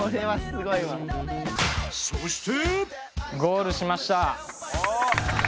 ［そして］